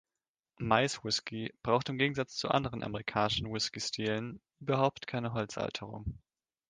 Mais-Whiskey braucht im Gegensatz zu anderen amerikanischen Whiskey-Stilen überhaupt keine Holzalterung.